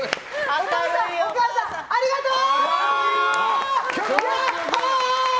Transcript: お父さん、お母さんありがとう！